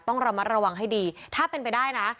ต้องระมัดระวังให้ดีถ้าเป็นไปได้นะ